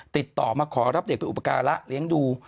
ติดต่อมาขอรับเด็กไปอุปการะเลี้ยงดู